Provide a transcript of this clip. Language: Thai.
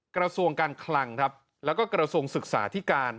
กระทรวงการคลังครับแล้วก็กระทรวงศึกษาที่การ